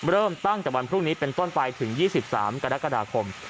เริ่มตั้งแต่วันพรุ่งนี้เป็นต้นไปถึง๒๓กรกฎาคม